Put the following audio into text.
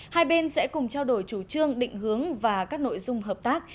hai bên sẽ cùng trao đổi chủ trương định hướng và các nội dung hợp tác